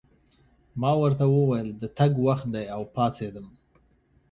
ما ورته وویل: د تګ وخت دی، او پاڅېدم.